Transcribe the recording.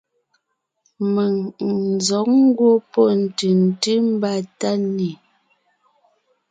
Mèŋ n zɔ̌g ngwɔ́ pɔ́ ntʉ̀ntʉ́ mbà Tánè,